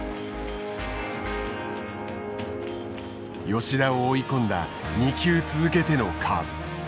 吉田を追い込んだ２球続けてのカーブ。